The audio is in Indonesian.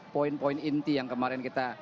poin poin inti yang kemarin kita